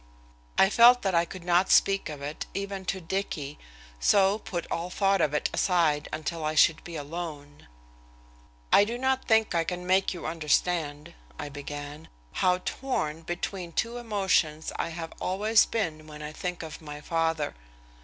I felt that I could not speak of it even to Dicky, so put all thought of it aside until I should be alone. "I do not think I can make you understand," I began, "how torn between two emotions I have always been when I think of my father.